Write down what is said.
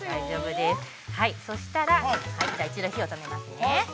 そしたら、一度火を止めますね。